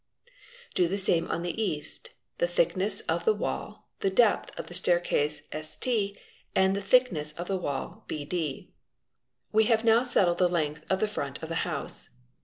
} Do the same on the east—the thickness of the wall, the depth of the staircase St, and the thickness of the wall bd. We have now settled the length of the front of the house.